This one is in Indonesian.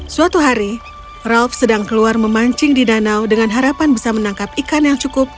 suatu hari ralf sedang keluar memancing di danau dengan harapan bisa menangkap ikan yang cukup